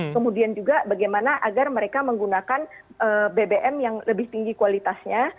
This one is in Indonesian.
kemudian juga bagaimana agar mereka menggunakan bbm yang lebih tinggi kualitasnya